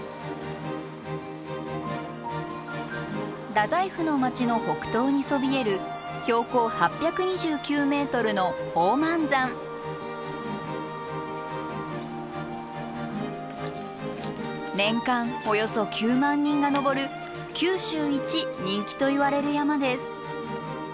太宰府の街の北東にそびえる年間およそ９万人が登る九州一人気といわれる山です。